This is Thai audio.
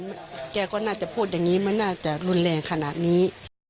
แกก็น่าจะพูดอย่างนี้มันน่าจะรุนแรงขนาดนี้